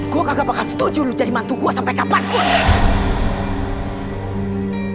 gua kagak bakal setuju lu jadi mantu gua sampai kapanpun